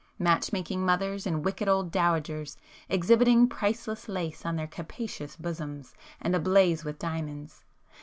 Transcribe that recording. match making mothers and wicked old dowagers, exhibiting priceless lace on their capacious bosoms, and ablaze with diamonds